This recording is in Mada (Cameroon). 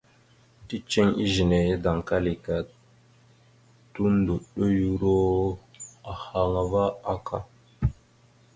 Ticeŋ izəne ya daŋkali ka tondoyoro ahaŋ ava aka.